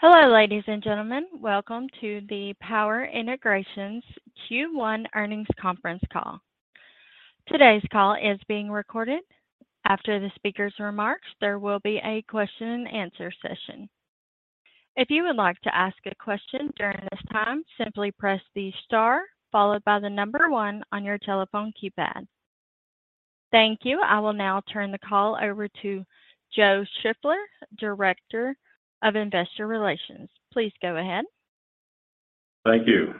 Hello, ladies and gentlemen. Welcome to the Power Integrations Q1 Earnings Conference Call. Today's call is being recorded. After the speaker's remarks, there will be a question and answer session. If you would like to ask a question during this time, simply press the star followed by 1 on your telephone keypad. Thank you. I will now turn the call over to Joe Shiffler, Director of Investor Relations. Please go ahead. Thank you.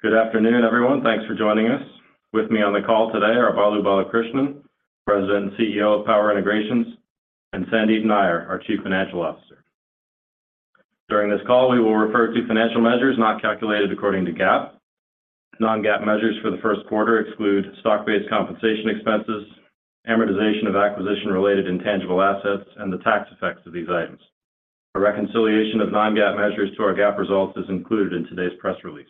Good afternoon, everyone. Thanks for joining us. With me on the call today are Balu Balakrishnan, President and CEO of Power Integrations, and Sandeep Nayyar, our Chief Financial Officer. During this call, we will refer to financial measures not calculated according to GAAP. Non-GAAP measures for the first quarter exclude stock-based compensation expenses, amortization of acquisition-related intangible assets, and the tax effects of these items. A reconciliation of non-GAAP measures to our GAAP results is included in today's press release.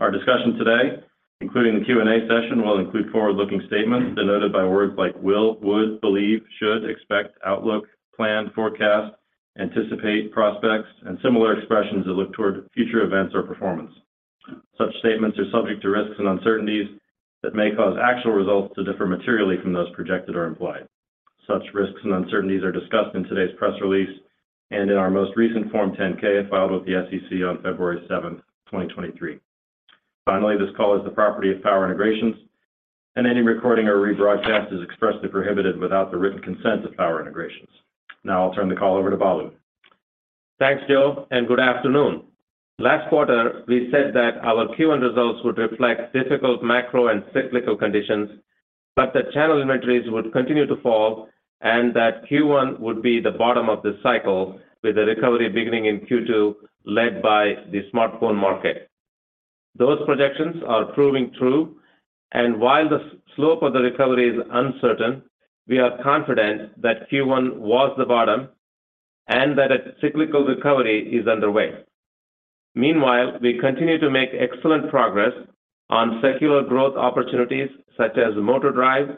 Our discussion today, including the Q&A session, will include forward-looking statements denoted by words like will, would, believe, should, expect, outlook, plan, forecast, anticipate, prospects, and similar expressions that look toward future events or performance. Such statements are subject to risks and uncertainties that may cause actual results to differ materially from those projected or implied. Such risks and uncertainties are discussed in today's press release and in our most recent Form 10-K filed with the SEC on February 7, 2023. Finally, this call is the property of Power Integrations, and any recording or rebroadcast is expressly prohibited without the written consent of Power Integrations. Now I'll turn the call over to Balu. Thanks, Joe, and good afternoon. Last quarter, we said that our Q1 results would reflect difficult macro and cyclical conditions, but the channel inventories would continue to fall and that Q1 would be the bottom of the cycle with the recovery beginning in Q2 led by the smartphone market. Those projections are proving true, and while the slope of the recovery is uncertain, we are confident that Q1 was the bottom and that a cyclical recovery is underway. Meanwhile, we continue to make excellent progress on secular growth opportunities such as motor drive,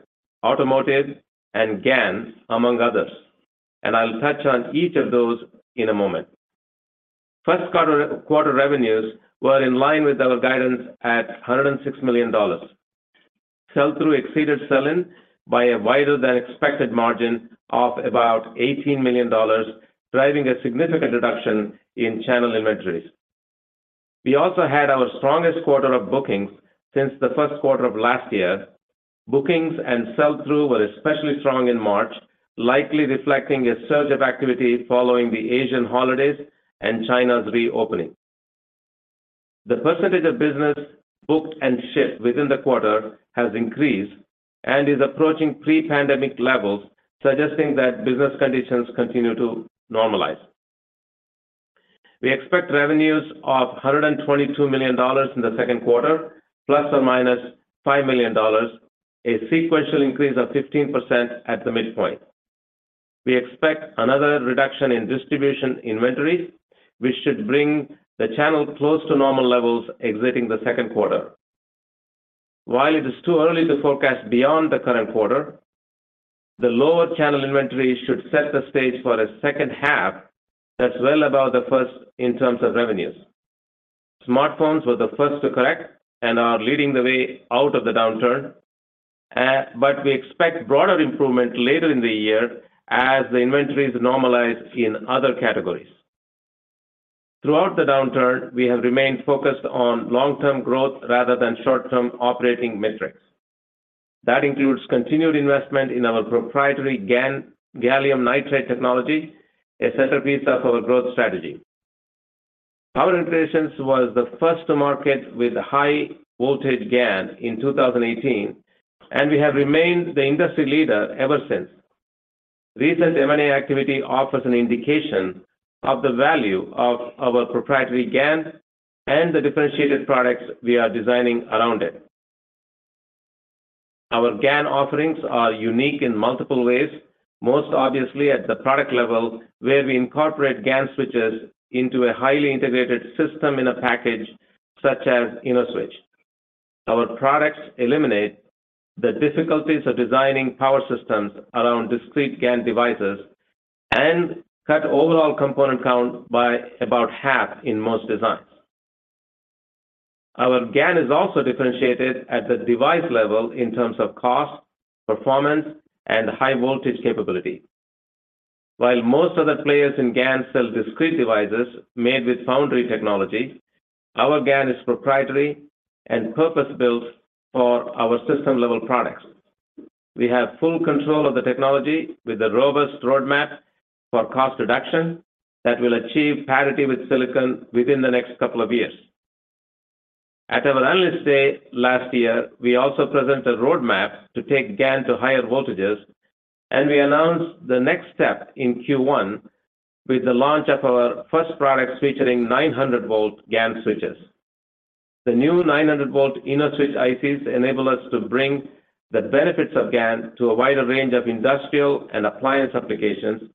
automotive, and GaNs, among others, and I'll touch on each of those in a moment. First quarter revenues were in line with our guidance at $106 million. Sell-through exceeded sell-in by a wider than expected margin of about $18 million, driving a significant reduction in channel inventories. We also had our strongest quarter of bookings since the first quarter of last year. Bookings and sell-through were especially strong in March, likely reflecting a surge of activity following the Asian holidays and China's reopening. The percentage of business booked and shipped within the quarter has increased and is approaching pre-pandemic levels, suggesting that business conditions continue to normalize. We expect revenues of $122 million in the second quarter, ±$5 million, a sequential increase of 15% at the midpoint. We expect another reduction in distribution inventories, which should bring the channel close to normal levels exiting the second quarter. While it is too early to forecast beyond the current quarter, the lower channel inventories should set the stage for a second half that's well above the first in terms of revenues. Smartphones were the first to correct and are leading the way out of the downturn, but we expect broader improvement later in the year as the inventories normalize in other categories. Throughout the downturn, we have remained focused on long-term growth rather than short-term operating metrics. That includes continued investment in our proprietary GaN, gallium nitride technology, a centerpiece of our growth strategy. Power Integrations was the first to market with high voltage GaN in 2018, and we have remained the industry leader ever since. Recent M&A activity offers an indication of the value of our proprietary GaN and the differentiated products we are designing around it. Our GaN offerings are unique in multiple ways, most obviously at the product level, where we incorporate GaN switches into a highly integrated system-in-package such as InnoSwitch. Our products eliminate the difficulties of designing power systems around discrete GaN devices and cut overall component count by about half in most designs. Our GaN is also differentiated at the device level in terms of cost, performance, and high voltage capability. While most other players in GaN sell discrete devices made with foundry technology, our GaN is proprietary and purpose-built for our system-level products. We have full control of the technology with a robust roadmap for cost reduction that will achieve parity with silicon within the next couple of years. At our Analyst Day last year, we also presented a roadmap to take GaN to higher voltages, and we announced the next step in Q1 with the launch of our first products featuring 900 volt GaN switches. The new 900 volt InnoSwitch ICs enable us to bring the benefits of GaN to a wider range of industrial and appliance applications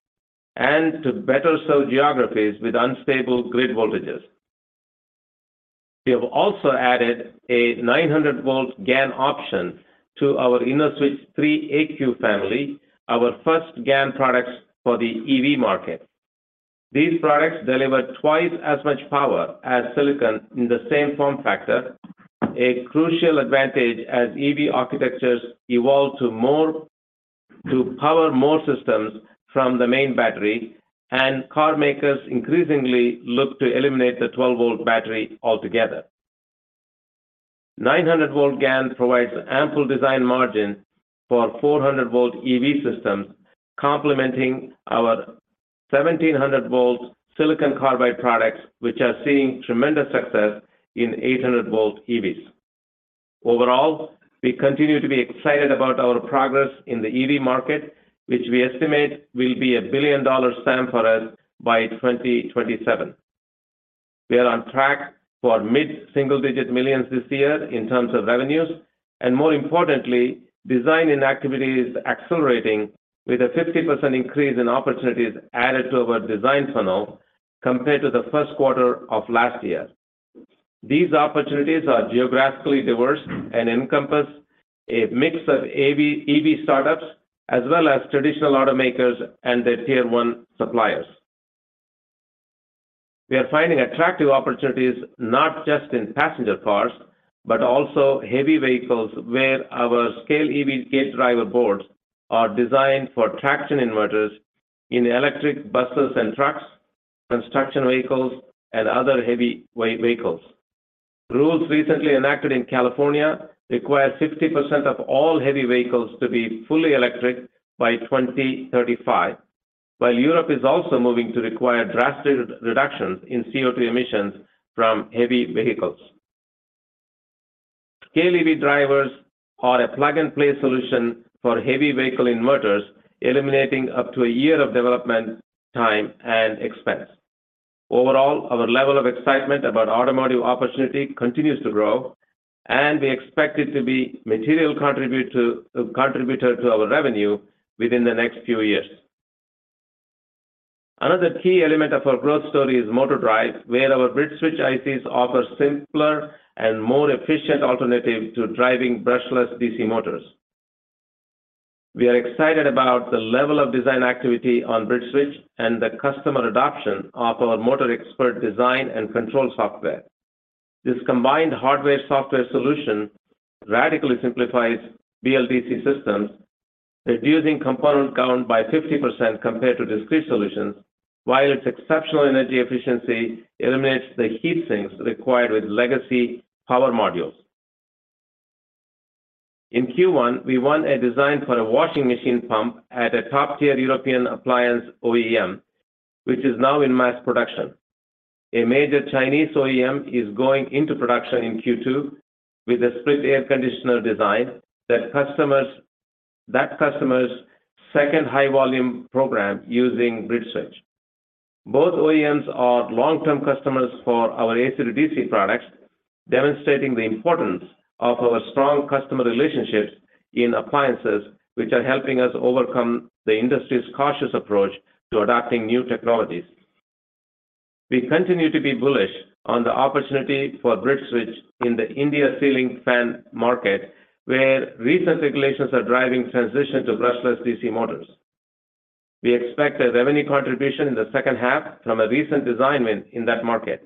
and to better serve geographies with unstable grid voltages. We have also added a 900 volts GaN option to our InnoSwitch3-AQ family, our first GaN products for the EV market. These products deliver twice as much power as silicon in the same form factor, a crucial advantage as EV architectures evolve to power more systems from the main battery, and car makers increasingly look to eliminate the 12-volt battery altogether. 900 volts GaN provides ample design margin for 400 volts EV systems, complementing our 1,700 volts silicon carbide products, which are seeing tremendous success in 800 volts EVs. Overall, we continue to be excited about our progress in the EV market, which we estimate will be a $1 billion SAM for us by 2027. We are on track for mid-single digit millions this year in terms of revenues. More importantly, design in activity is accelerating with a 50% increase in opportunities added to our design funnel compared to the first quarter of last year. These opportunities are geographically diverse and encompass a mix of EV startups as well as traditional automakers and their Tier 1 suppliers. We are finding attractive opportunities not just in passenger cars, but also heavy vehicles, where our Scale-EV gate driver boards are designed for traction inverters in electric buses and trucks, construction vehicles, and other heavyweight vehicles. Rules recently enacted in California require 50% of all heavy vehicles to be fully electric by 2035, while Europe is also moving to require drastic reductions in CO2 emissions from heavy vehicles. Scale-EV drivers are a plug-and-play solution for heavy vehicle inverters, eliminating up to a year of development time and expense. Our level of excitement about automotive opportunity continues to grow, and we expect it to be material contributor to our revenue within the next few years. Another key element of our growth story is motor drives, where our BridgeSwitch ICs offer simpler and more efficient alternative to driving brushless DC motors. We are excited about the level of design activity on BridgeSwitch and the customer adoption of our MotorXpert design and control software. This combined hardware software solution radically simplifies BLDC systems, reducing component count by 50% compared to discrete solutions, while its exceptional energy efficiency eliminates the heat sinks required with legacy power modules. In Q1, we won a design for a washing machine pump at a top-tier European appliance OEM, which is now in mass production. A major Chinese OEM is going into production in Q2 with a split air conditioner design that customer's second high volume program using BridgeSwitch. Both OEMs are long-term customers for our AC to DC products, demonstrating the importance of our strong customer relationships in appliances which are helping us overcome the industry's cautious approach to adopting new technologies. We continue to be bullish on the opportunity for BridgeSwitch in the India ceiling fan market, where recent regulations are driving transition to brushless DC motors. We expect a revenue contribution in the second half from a recent design win in that market.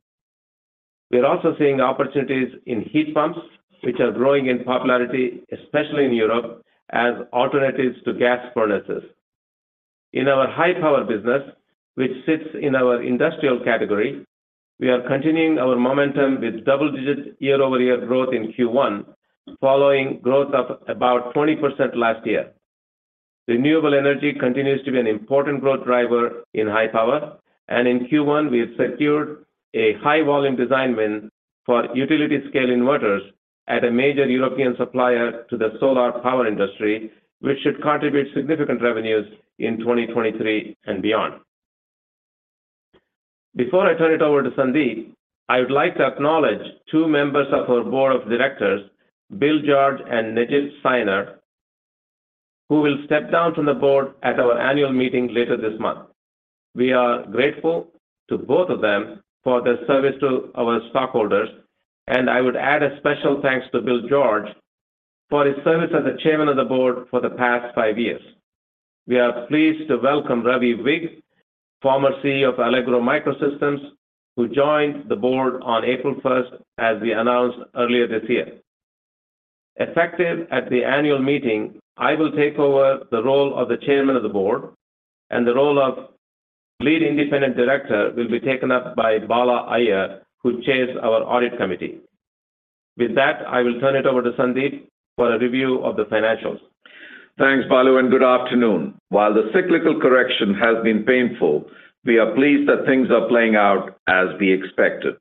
We're also seeing opportunities in heat pumps, which are growing in popularity, especially in Europe, as alternatives to gas furnaces. In our high power business, which sits in our industrial category, we are continuing our momentum with double-digit year-over-year growth in Q1, following growth of about 20% last year. Renewable energy continues to be an important growth driver in high power, and in Q1 we have secured a high volume design win for utility scale inverters at a major European supplier to the solar power industry, which should contribute significant revenues in 2023 and beyond. Before I turn it over to Sandeep, I would like to acknowledge two members of our board of directors, Bill George and Necip Sayiner, who will step down from the board at our annual meeting later this month. We are grateful to both of them for their service to our stockholders. I would add a special thanks to Bill George for his service as the chairman of the board for the past 5 years. We are pleased to welcome Ravi Vig, former CEO of Allegro MicroSystems, who joined the board on April 1st, as we announced earlier this year. Effective at the annual meeting, I will take over the role of the chairman of the board, and the role of Lead Independent Director will be taken up by Bala Iyer, who chairs our audit committee. With that, I will turn it over to Sandeep for a review of the financials. Thanks, Balu. Good afternoon. While the cyclical correction has been painful, we are pleased that things are playing out as we expected.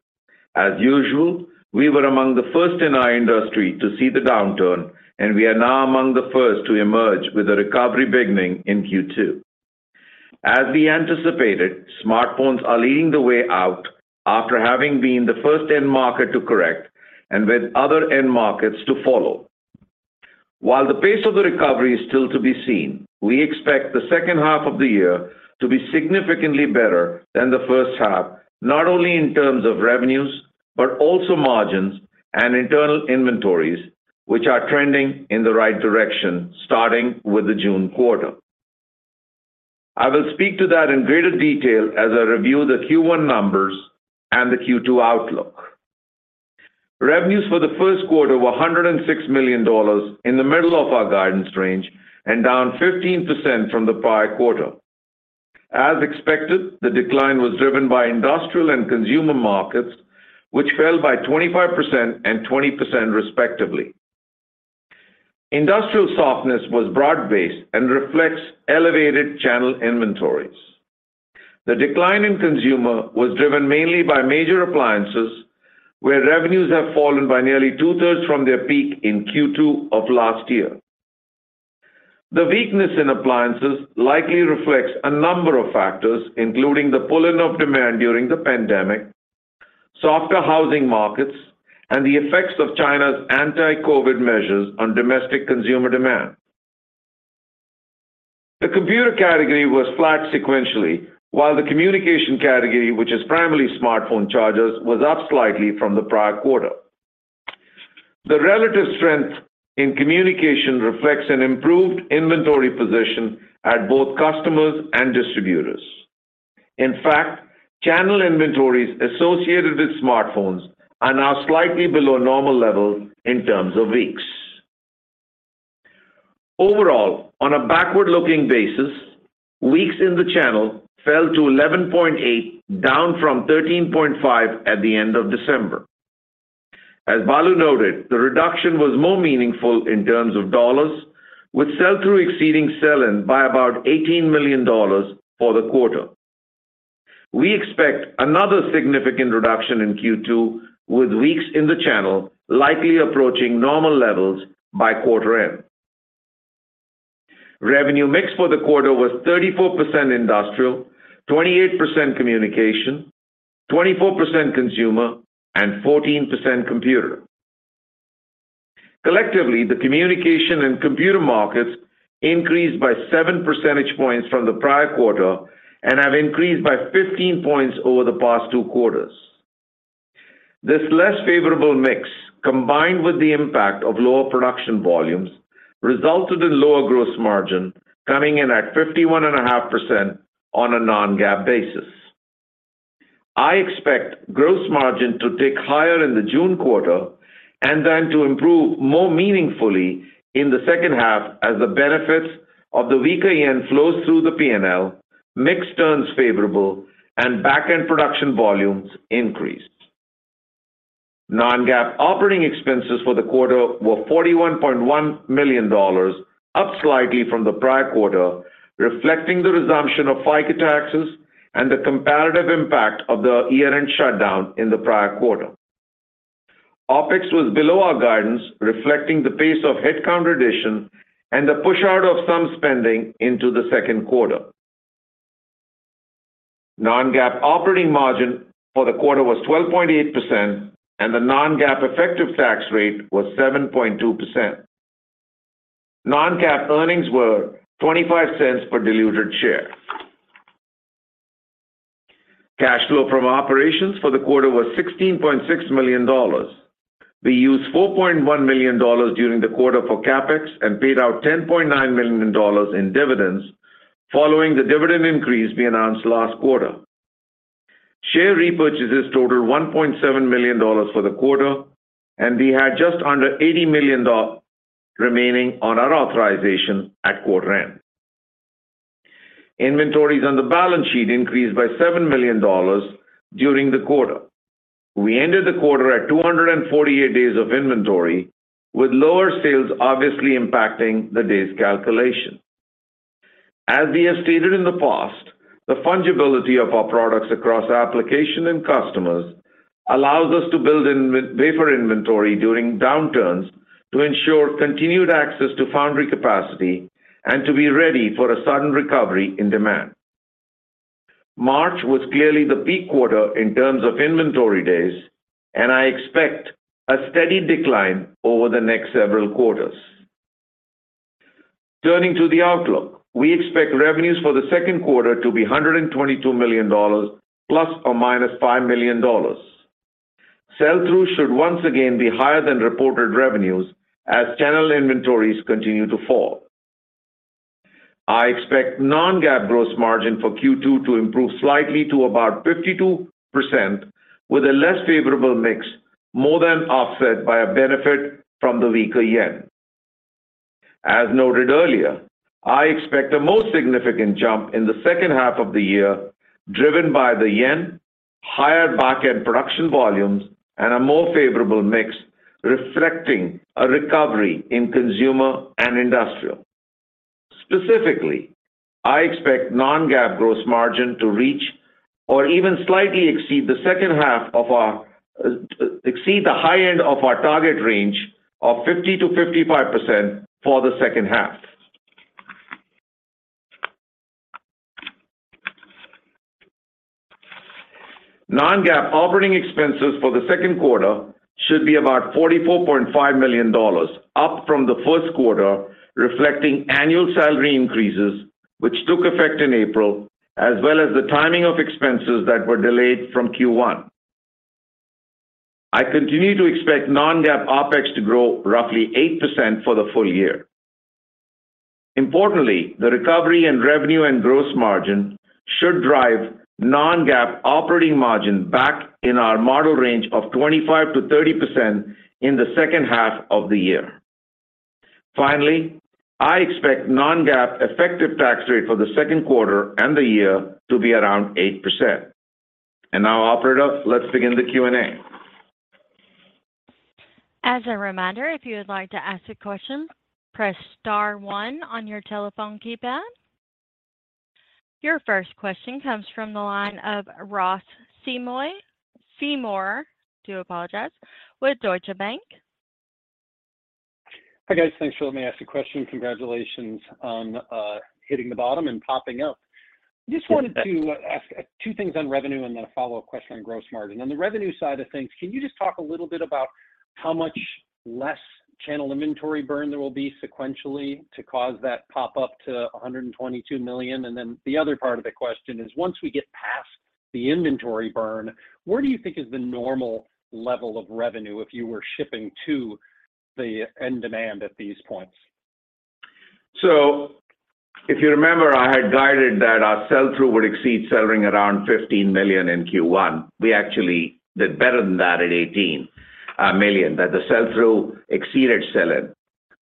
As usual, we were among the first in our industry to see the downturn. We are now among the first to emerge with a recovery beginning in Q2. As we anticipated, smartphones are leading the way out after having been the first end market to correct, and with other end markets to follow. While the pace of the recovery is still to be seen, we expect the second half of the year to be significantly better than the first half, not only in terms of revenues, but also margins and internal inventories, which are trending in the right direction starting with the June quarter. I will speak to that in greater detail as I review the Q1 numbers and the Q2 outlook. Revenues for the first quarter were $106 million in the middle of our guidance range, down 15% from the prior quarter. As expected, the decline was driven by industrial and consumer markets, which fell by 25% and 20% respectively. Industrial softness was broad-based and reflects elevated channel inventories. The decline in consumer was driven mainly by major appliances, where revenues have fallen by nearly two-thirds from their peak in Q2 of last year. The weakness in appliances likely reflects a number of factors, including the pull-in of demand during the pandemic, softer housing markets, and the effects of China's anti-COVID measures on domestic consumer demand. The computer category was flat sequentially, while the communication category, which is primarily smartphone chargers, was up slightly from the prior quarter. The relative strength in communication reflects an improved inventory position at both customers and distributors. In fact, channel inventories associated with smartphones are now slightly below normal levels in terms of weeks. Overall, on a backward-looking basis, weeks in the channel fell to 11.8, down from 13.5 at the end of December. As Balu noted, the reduction was more meaningful in terms of dollars, with sell-through exceeding sell-in by about $18 million for the quarter. We expect another significant reduction in Q2, with weeks in the channel likely approaching normal levels by quarter end. Revenue mix for the quarter was 34% industrial, 28% communication, 24% consumer, and 14% computer. Collectively, the communication and computer markets increased by 7 percentage points from the prior quarter and have increased by 15 points over the past two quarters. This less favorable mix, combined with the impact of lower production volumes, resulted in lower gross margin coming in at 51.5% on a non-GAAP basis. I expect gross margin to tick higher in the June quarter and then to improve more meaningfully in the second half as the benefits of the weaker yen flows through the P&L, mix turns favorable, and back-end production volumes increase. Non-GAAP operating expenses for the quarter were $41.1 million, up slightly from the prior quarter, reflecting the resumption of FICA taxes and the comparative impact of the year-end shutdown in the prior quarter. OpEx was below our guidance, reflecting the pace of headcount reduction and the push out of some spending into the second quarter. Non-GAAP operating margin for the quarter was 12.8%, and the non-GAAP effective tax rate was 7.2%. Non-GAAP earnings were $0.25 per diluted share. Cash flow from operations for the quarter was $16.6 million. We used $4.1 million during the quarter for CapEx and paid out $10.9 million in dividends following the dividend increase we announced last quarter. Share repurchases totaled $1.7 million for the quarter, and we had just under $80 million remaining on our authorization at quarter end. Inventories on the balance sheet increased by $7 million during the quarter. We ended the quarter at 248 days of inventory, with lower sales obviously impacting the days calculation. As we have stated in the past, the fungibility of our products across application and customers allows us to build in wafer inventory during downturns to ensure continued access to foundry capacity and to be ready for a sudden recovery in demand. March was clearly the peak quarter in terms of inventory days. I expect a steady decline over the next several quarters. Turning to the outlook, we expect revenues for the second quarter to be $122 million ±$5 million. Sell-through should once again be higher than reported revenues as channel inventories continue to fall. I expect non-GAAP gross margin for Q2 to improve slightly to about 52%, with a less favorable mix more than offset by a benefit from the weaker yen. As noted earlier, I expect a more significant jump in the second half of the year, driven by the yen, higher back-end production volumes, and a more favorable mix reflecting a recovery in consumer and industrial. Specifically, I expect non-GAAP gross margin to reach or even slightly exceed the high end of our target range of 50%-55% for the second half. Non-GAAP operating expenses for the second quarter should be about $44.5 million, up from the first quarter, reflecting annual salary increases, which took effect in April, as well as the timing of expenses that were delayed from Q1. I continue to expect non-GAAP OpEx to grow roughly 8% for the full year. Importantly, the recovery in revenue and gross margin should drive non-GAAP operating margin back in our model range of 25%-30% in the second half of the year. Finally, I expect non-GAAP effective tax rate for the second quarter and the year to be around 8%. Now, operator, let's begin the Q&A. As a reminder, if you would like to ask a question, press star one on your telephone keypad. Your first question comes from the line of Ross Seymore with Deutsche Bank. Hi, guys. Thanks for letting me ask a question. Congratulations on hitting the bottom and popping up. Just wanted to ask two things on revenue and then a follow-up question on gross margin. On the revenue side of things, can you just talk a little bit about how much less channel inventory burn there will be sequentially to cause that pop-up to $122 million? The other part of the question is, once we get past the inventory burn, where do you think is the normal level of revenue if you were shipping to the end demand at these points? If you remember, I had guided that our sell-through would exceed sell-in around $15 million in Q1. We actually did better than that at $18 million, that the sell-through exceeded sell-in.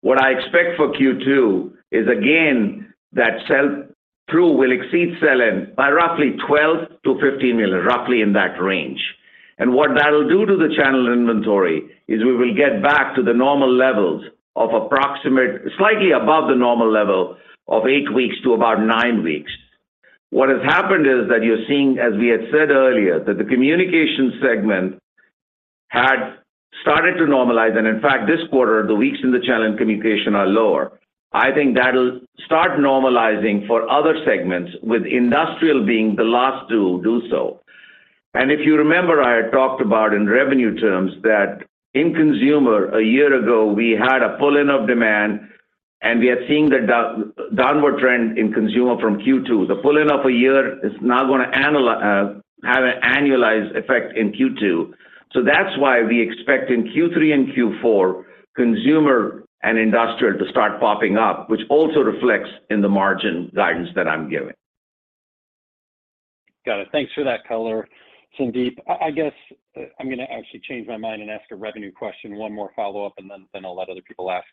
What I expect for Q2 is again, that sell-through will exceed sell-in by roughly $12 million-$15 million, roughly in that range. What that'll do to the channel inventory is we will get back to the normal levels of slightly above the normal level of eight weeks to about nine weeks. What has happened is that you're seeing, as we had said earlier, that the communication segment had started to normalize, and in fact, this quarter, the weeks in the channel in communication are lower. I think that'll start normalizing for other segments, with industrial being the last to do so. If you remember, I had talked about in revenue terms that in consumer, a year ago, we had a pull-in of demand, and we are seeing the downward trend in consumer from Q2. The pull-in of a year is now have an annualized effect in Q2. That's why we expect in Q3 and Q4, consumer and industrial to start popping up, which also reflects in the margin guidance that I'm giving. Got it. Thanks for that color, Sandeep. I guess I'm going to actually change my mind and ask a revenue question, one more follow-up, and then I'll let other people ask.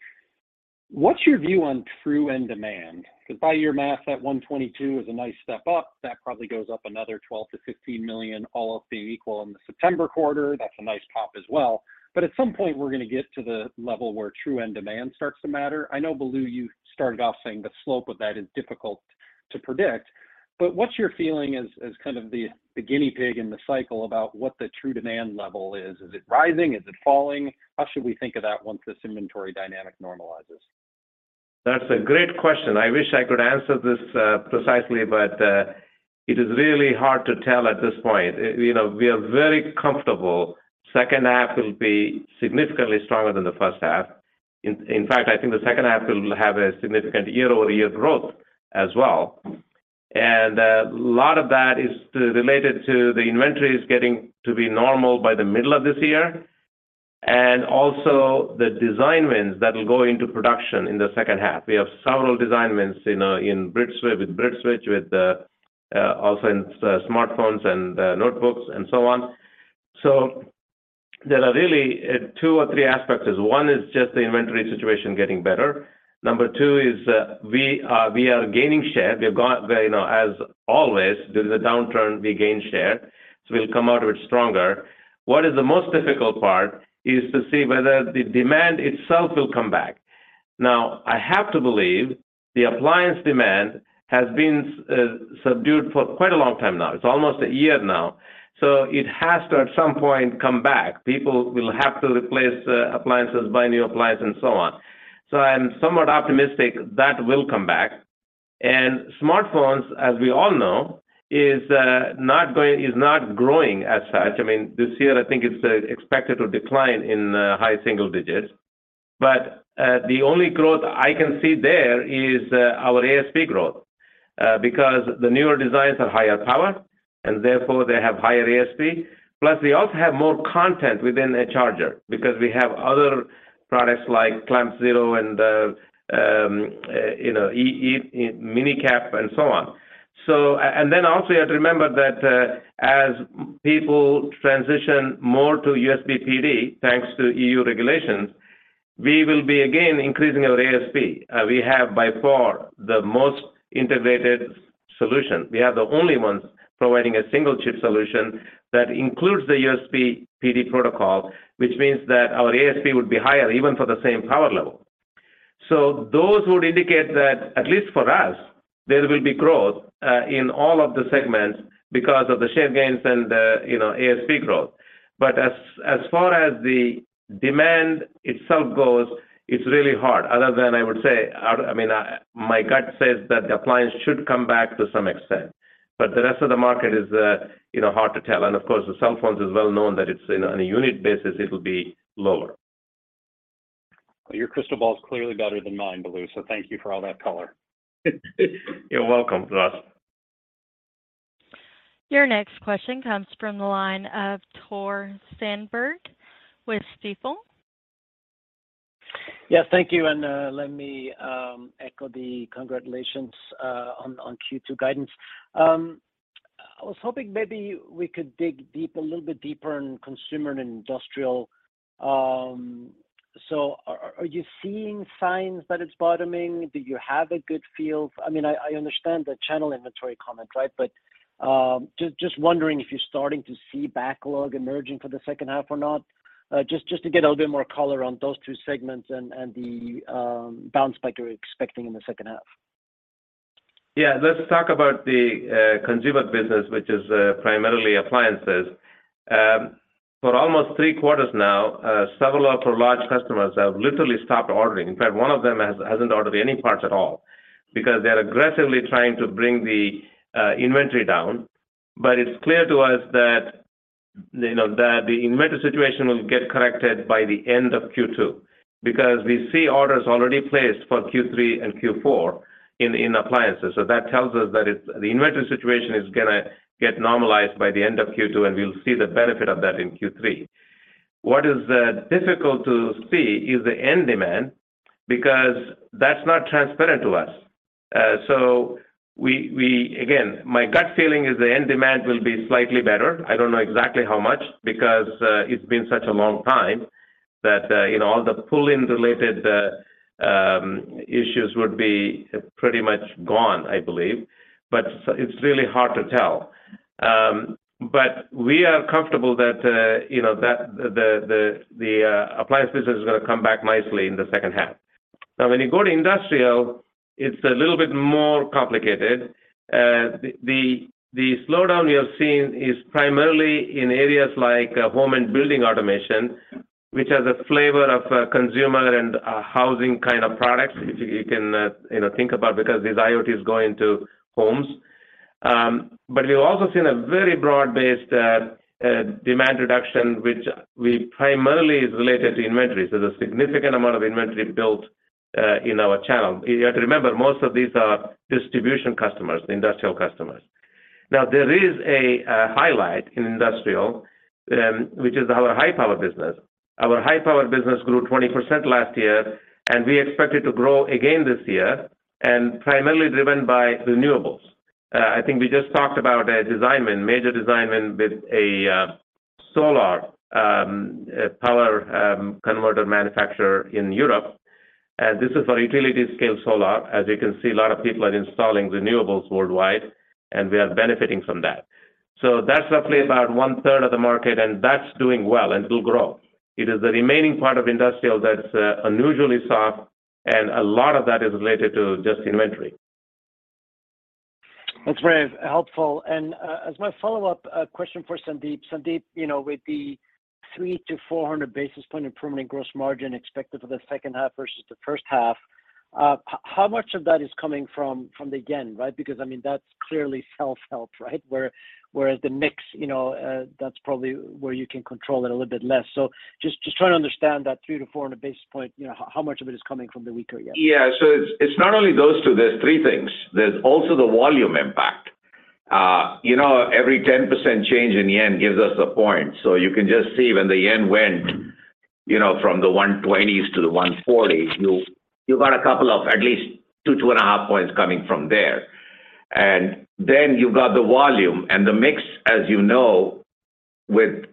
What's your view on true end demand? By your math, that 122 is a nice step up. That probably goes up another $12 million-$15 million, all else being equal in the September quarter. That's a nice pop as well. At some point, we're going to get to the level where true end demand starts to matter. I know, Balu, you started off saying the slope of that is difficult to predict, what's your feeling as kind of the guinea pig in the cycle about what the true demand level is? Is it rising? Is it falling? How should we think of that once this inventory dynamic normalizes? That's a great question. I wish I could answer this precisely, but it is really hard to tell at this point. You know, we are very comfortable second half will be significantly stronger than the first half. In fact, I think the second half will have a significant year-over-year growth as well. A lot of that is related to the inventories getting to be normal by the middle of this year, and also the design wins that will go into production in the second half. We have several design wins with BridgeSwitch, also in smartphones and notebooks and so on. There are really two or three aspects. One is just the inventory situation getting better. Number two is, we are gaining share. We have got, you know, as always, during the downturn, we gain share, so we'll come out of it stronger. What is the most difficult part is to see whether the demand itself will come back. I have to believe the appliance demand has been subdued for quite a long time now. It's almost a year now, so it has to, at some point, come back. People will have to replace appliances, buy new appliance and so on. I'm somewhat optimistic that will come back. Smartphones, as we all know, is not growing as such. I mean, this year, I think it's expected to decline in high single digits. The only growth I can see there is our ASP growth, because the newer designs are higher power, and therefore they have higher ASP. Plus, we also have more content within a charger because we have other products like ClampZero and, you know, MinE-CAP and so on. Also you have to remember that as people transition more to USB PD, thanks to EU regulations, we will be again increasing our ASP. We have by far the most integrated solution. We are the only ones providing a single chip solution that includes the USB PD protocol, which means that our ASP would be higher even for the same power level. Those would indicate that, at least for us, there will be growth in all of the segments because of the share gains and the, you know, ASP growth. As far as the demand itself goes, it's really hard other than I would say... I mean, I, my gut says that the appliance should come back to some extent, but the rest of the market is, you know, hard to tell. Of course, the cell phones is well known that it's in a unit basis, it'll be lower. Well, your crystal ball is clearly better than mine, Balu. Thank you for all that color. You're welcome, Russ. Your next question comes from the line of Tore Svanberg with Stifel. Thank you, and let me echo the congratulations on Q2 guidance. I was hoping maybe we could dig deep, a little bit deeper in consumer and industrial. Are you seeing signs that it's bottoming? Do you have a good feel? I mean, I understand the channel inventory comment, right? Just wondering if you're starting to see backlog emerging for the second half or not, just to get a little bit more color on those two segments and the bounce back you're expecting in the second half. Let's talk about the consumer business, which is primarily appliances. For almost 3 quarters now, several of our large customers have literally stopped ordering. In fact, one of them hasn't ordered any parts at all because they're aggressively trying to bring the inventory down. It's clear to us that, you know, that the inventory situation will get corrected by the end of Q2 because we see orders already placed for Q3 and Q4 in appliances. That tells us that the inventory situation is gonna get normalized by the end of Q2, and we'll see the benefit of that in Q3. What is difficult to see is the end demand because that's not transparent to us. Again, my gut feeling is the end demand will be slightly better. I don't know exactly how much because it's been such a long time that, you know, all the pull-in related issues would be pretty much gone, I believe. It's really hard to tell. We are comfortable that, you know, that the, the appliance business is gonna come back nicely in the second half. Now, when you go to industrial, it's a little bit more complicated. The, the slowdown we have seen is primarily in areas like home and building automation, which has a flavor of consumer and housing kind of products. If you can, you know, think about because these IoT is going to homes. We've also seen a very broad-based demand reduction, which we primarily is related to inventory. There's a significant amount of inventory built in our channel. You have to remember, most of these are distribution customers, industrial customers. There is a highlight in industrial, which is our high power business. Our high power business grew 20% last year, and we expect it to grow again this year, and primarily driven by renewables. I think we just talked about a design win, major design win with a solar power converter manufacturer in Europe. This is for utility scale solar. As you can see, a lot of people are installing renewables worldwide, and we are benefiting from that. That's roughly about one-third of the market, and that's doing well and will grow. It is the remaining part of industrial that's unusually soft, and a lot of that is related to just inventory. That's very helpful. As my follow-up question for Sandeep. Sandeep, you know, with the 300-400 basis point improvement in gross margin expected for the second half versus the first half, how much of that is coming from the yen, right? Because, I mean, that's clearly self-help, right? whereas the mix, you know, that's probably where you can control it a little bit less. Just trying to understand that 300-400 basis point, you know, how much of it is coming from the weaker yen. Yeah. It's not only those 2. There's 3 things. There's also the volume impact. You know, every 10% change in JPY gives us a point. You can just see when the JPY went, you know, from the one-twenties to the one-forties, you got a couple of at least 2, two and a half points coming from there. You've got the volume, and the mix, as you know, with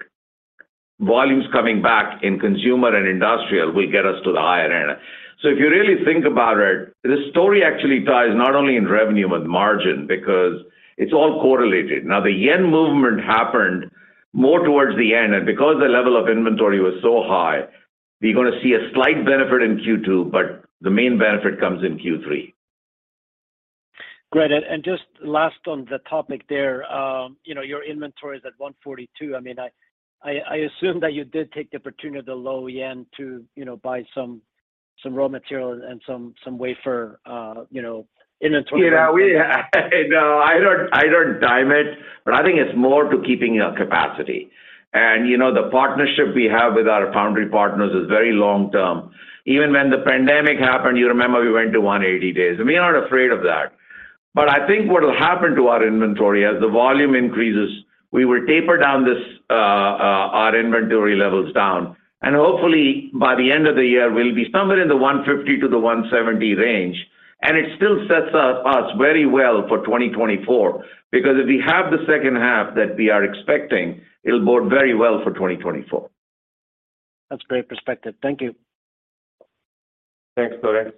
volumes coming back in consumer and industrial will get us to the higher end. If you really think about it, the story actually ties not only in revenue, but margin because it's all correlated. Now, the JPY movement happened more towards the end, and because the level of inventory was so high, we're gonna see a slight benefit in Q2, but the main benefit comes in Q3. Great. Just last on the topic there, you know, your inventory is at $142. I mean, I assume that you did take the opportunity of the low yen to, you know, buy some raw material and some wafer, you know, inventory- Yeah, No, I don't time it, but I think it's more to keeping our capacity. You know, the partnership we have with our foundry partners is very long term. Even when the pandemic happened, you remember we went to 180 days, and we are not afraid of that. I think what will happen to our inventory as the volume increases, we will taper down this, our inventory levels down. Hopefully, by the end of the year, we'll be somewhere in the 150-170 range. It still sets us very well for 2024 because if we have the second half that we are expecting, it'll bode very well for 2024. That's great perspective. Thank you. Thanks, Tor.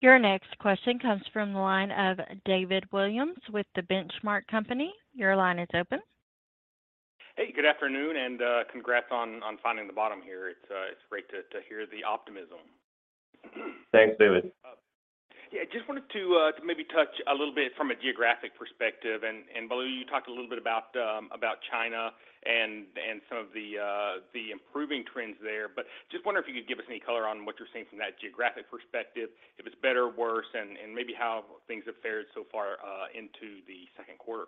Your next question comes from the line of David Williams with The Benchmark Company. Your line is open. Hey, good afternoon, and congrats on finding the bottom here. It's great to hear the optimism. Thanks, David. Yeah, just wanted to to maybe touch a little bit from a geographic perspective, and Balu, you talked a little bit about China and some of the improving trends there, but just wonder if you could give us any color on what you're seeing from that geographic perspective, if it's better or worse, and maybe how things have fared so far into the second quarter.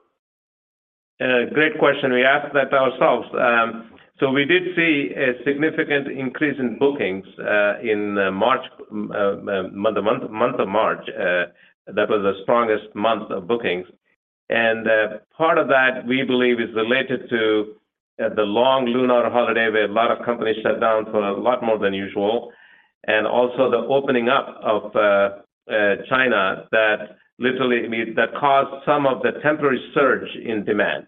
Great question. We asked that ourselves. We did see a significant increase in bookings in March, the month of March, that was the strongest month of bookings. Part of that, we believe is related to the long lunar holiday, where a lot of companies shut down for a lot more than usual, and also the opening up of China that literally means that caused some of the temporary surge in demand.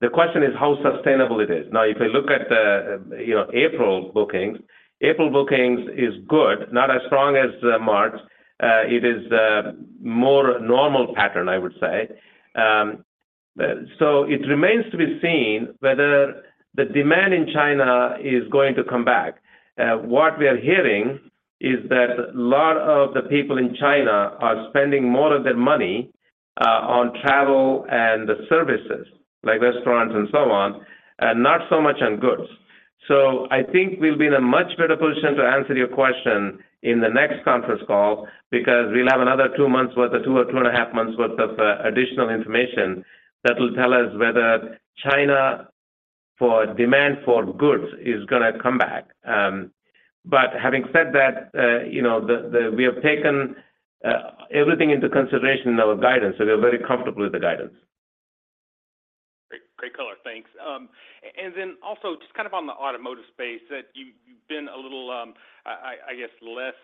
The question is how sustainable it is. If you look at the, you know, April bookings, April bookings is good, not as strong as March. It is a more normal pattern, I would say. It remains to be seen whether the demand in China is going to come back. What we are hearing is that a lot of the people in China are spending more of their money, on travel and services, like restaurants and so on, and not so much on goods. I think we'll be in a much better position to answer your question in the next conference call, because we'll have another 2 months' worth of or two and a half months worth of additional information that will tell us whether China for demand for goods is gonna come back. Having said that, you know, we have taken everything into consideration in our guidance, so we are very comfortable with the guidance. Great. Great color. Thanks. Then also just kind of on the automotive space that you've been a little, I guess less,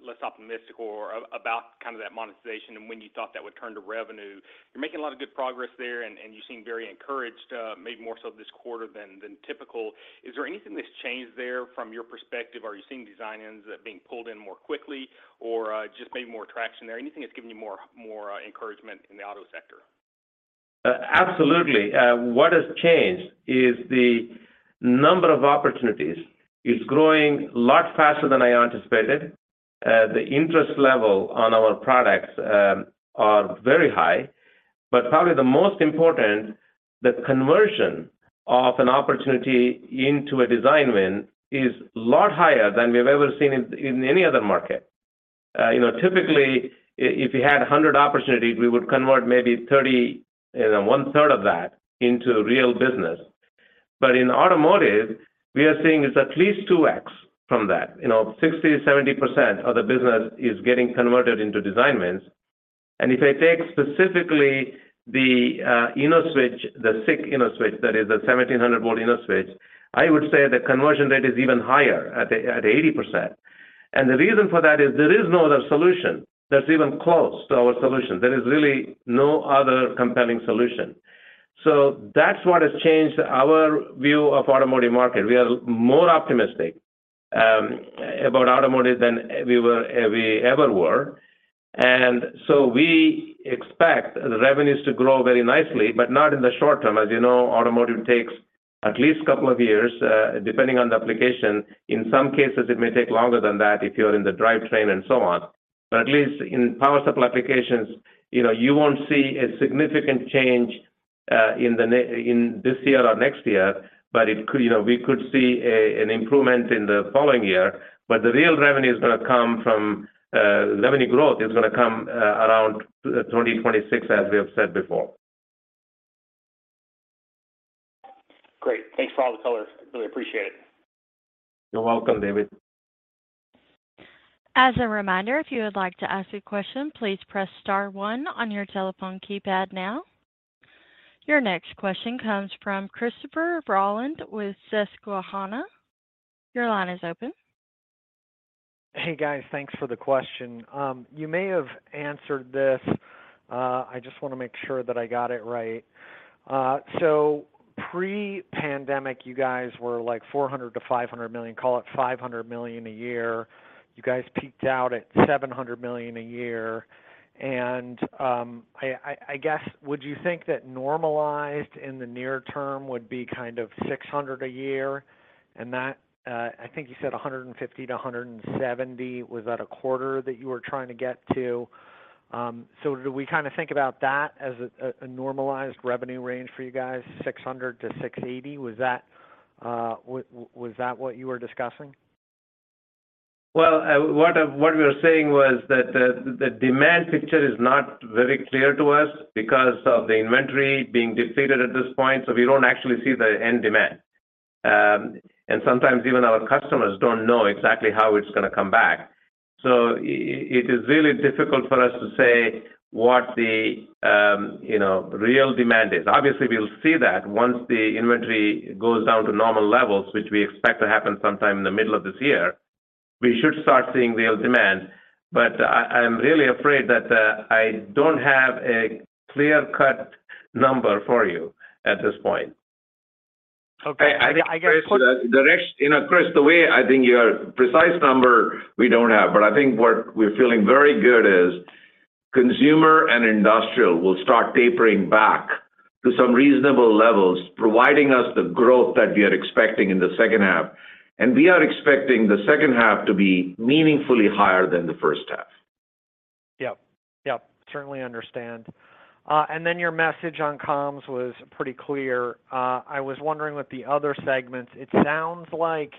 less optimistic or about kind of that monetization and when you thought that would turn to revenue. You're making a lot of good progress there and you seem very encouraged, maybe more so this quarter than typical. Is there anything that's changed there from your perspective? Are you seeing design-ins, being pulled in more quickly or, just maybe more traction there? Anything that's giving you more encouragement in the auto sector? Absolutely. What has changed is the number of opportunities is growing a lot faster than I anticipated. The interest level on our products are very high, but probably the most important, the conversion of an opportunity into a design win is a lot higher than we've ever seen in any other market. You know, typically if you had 100 opportunities, we would convert maybe 30, you know, one-third of that into real business. In automotive, we are seeing is at least 2x from that, you know, 60%-70% of the business is getting converted into design wins. If I take specifically the InnoSwitch, the SiC InnoSwitch, that is the 1,700 watt InnoSwitch, I would say the conversion rate is even higher at 80%. The reason for that is there is no other solution that's even close to our solution. There is really no other compelling solution. That's what has changed our view of automotive market. We are more optimistic about automotive than we ever were. We expect the revenues to grow very nicely, but not in the short term. As you know, automotive takes at least a couple of years, depending on the application. In some cases, it may take longer than that if you're in the drivetrain and so on. At least in power supply applications, you know, you won't see a significant change in this year or next year, but it could, you know, we could see an improvement in the following year. The real revenue is gonna come from, revenue growth is gonna come, around 2026, as we have said before. Great. Thanks for all the color. Really appreciate it. You're welcome, David. As a reminder, if you would like to ask a question, please press star one on your telephone keypad now. Your next question comes from Christopher Rolland with Susquehanna. Your line is open. Hey, guys. Thanks for the question. You may have answered this. I just wanna make sure that I got it right. Pre-pandemic, you guys were like $400 million-$500 million, call it $500 million a year. You guys peaked out at $700 million a year. I guess, would you think that normalized in the near term would be kind of $600 million a year? I think you said $150 million-$170 million. Was that a quarter that you were trying to get to? Do we kinda think about that as a normalized revenue range for you guys, $600 million-$680 million? Was that what you were discussing? Well, what we were saying was that the demand picture is not very clear to us because of the inventory being depleted at this point, so we don't actually see the end demand. Sometimes even our customers don't know exactly how it's gonna come back. It is really difficult for us to say what the, you know, real demand is. Obviously, we'll see that once the inventory goes down to normal levels, which we expect to happen sometime in the middle of this year, we should start seeing real demand. I'm really afraid that I don't have a clear-cut number for you at this point. Okay. I You know, Chris, the way I think your precise number we don't have, but I think what we're feeling very good is, Consumer and industrial will start tapering back to some reasonable levels, providing us the growth that we are expecting in the second half. We are expecting the second half to be meaningfully higher than the first half. Yep. Yep. Certainly understand. Your message on comms was pretty clear. I was wondering with the other segments, it sounds like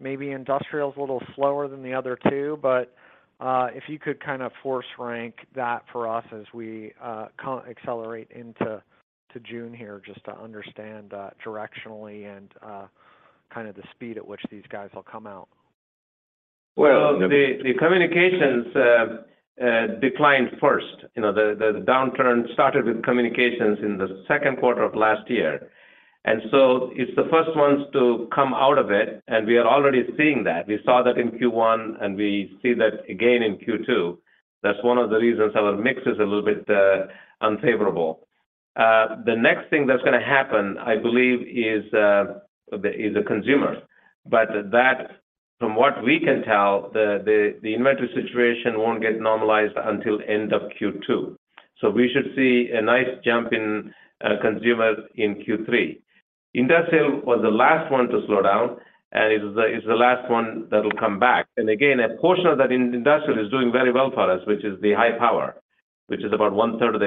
maybe industrial's a little slower than the other two, if you could kind of force rank that for us as we accelerate into June here, just to understand, directionally and, kind of the speed at which these guys will come out? Well, the communications declined first. You know, the downturn started with communications in the second quarter of last year. It's the first ones to come out of it, and we are already seeing that. We saw that in Q1, and we see that again in Q2. That's one of the reasons our mix is a little bit unfavorable. The next thing that's gonna happen, I believe is the consumer. That, from what we can tell, the inventory situation won't get normalized until end of Q2. We should see a nice jump in consumers in Q3. Industrial was the last one to slow down and is the last one that'll come back. Again, a portion of that in-industrial is doing very well for us, which is the high power, which is about one-third of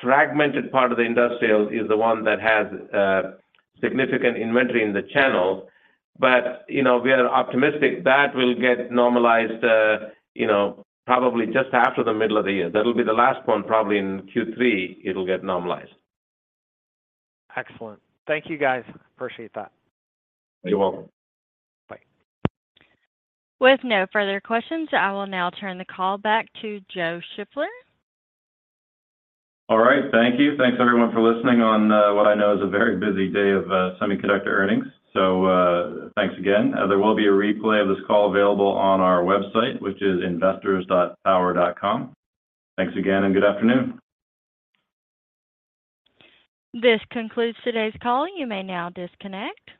the industrial. It's the more fragmented part of the industrial is the one that has significant inventory in the channel. You know, we are optimistic that will get normalized, you know, probably just after the middle of the year. That'll be the last one, probably in Q3, it'll get normalized. Excellent. Thank you, guys. Appreciate that. You're welcome. Bye. With no further questions, I will now turn the call back to Joe Shiffler. All right. Thank you. Thanks everyone for listening on, what I know is a very busy day of semiconductor earnings. Thanks again. There will be a replay of this call available on our website, which is investors.power.com. Thanks again and good afternoon. This concludes today's calling. You may now disconnect.